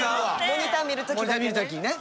モニター見る時にね。